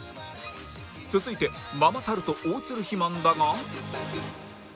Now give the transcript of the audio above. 続いてママタルト大鶴肥満だが